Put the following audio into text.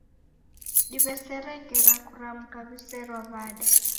Diw'esere ngera kuramka w'izerwa w'ada